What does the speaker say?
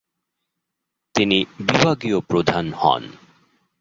তিনি বিভাগীয় প্রধান হন।